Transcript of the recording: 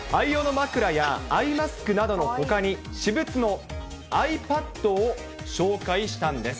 愛用の枕やアイマスクなどのほかに、私物のｉＰａｄを紹介したんです。